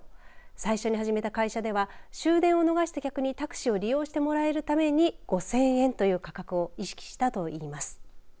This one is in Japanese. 最初に始めた会社では終電を逃した客にタクシーを利用してもらえるために５０００円という価格を意識したといいます。